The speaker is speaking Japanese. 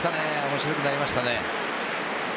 面白くなりましたね。